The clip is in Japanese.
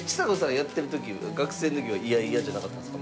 はやってる時学生の時は嫌々じゃなかったんですか？